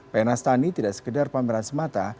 penas tani tidak sekedar pameran semata